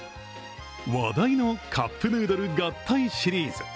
話題のカップヌードル合体シリーズ。